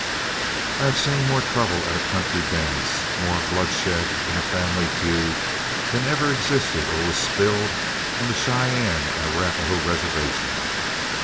I have seen more trouble at a country dance, more bloodshed in a family feud, than ever existed or was spilled on the Cheyenne and Arapahoe reservation.